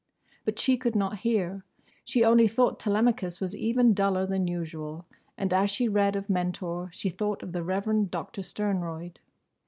But she could not hear. She only thought Telemachus was even duller than usual, and as she read of Mentor she thought of the Reverend Doctor Sternroyd.